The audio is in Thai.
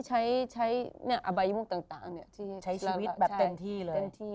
ใช้อาบายมุมต่างใช้ชีวิตแบบเต็มที่เลย